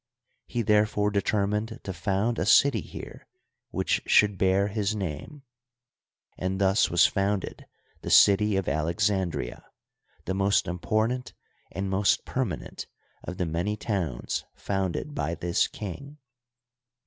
He therefore determined to found a city here which should bear his name ; and thus was founded the city of Alexandria, the most important and most permanent of the many towns founded by this king.